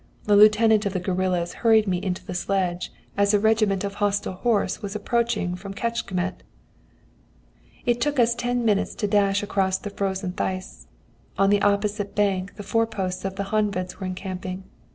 The lieutenant of the guerillas hurried me into the sledge, as a regiment of hostile horse was approaching from Kecskemet. "It took us ten minutes to dash across the frozen Theiss. On the opposite bank the foreposts of the Honveds were encamping.